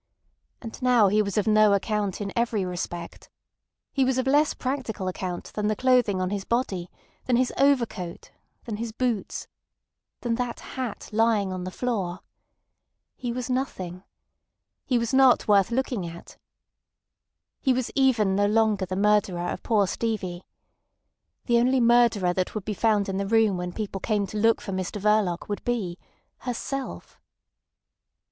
And now he was of no account in every respect. He was of less practical account than the clothing on his body, than his overcoat, than his boots—than that hat lying on the floor. He was nothing. He was not worth looking at. He was even no longer the murderer of poor Stevie. The only murderer that would be found in the room when people came to look for Mr Verloc would be—herself!